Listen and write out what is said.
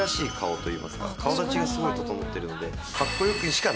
顔立ちがすごい整ってるので。